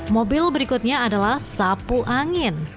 mobil berikutnya adalah sapu angin